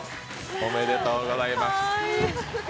おめでとうございます。